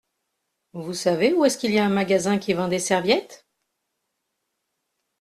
Vous savez où est-ce qu’il y a un magasin qui vend des serviettes ?